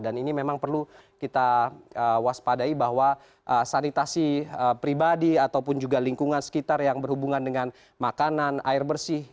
dan ini memang perlu kita waspadai bahwa sanitasi pribadi ataupun juga lingkungan sekitar yang berhubungan dengan makanan air bersih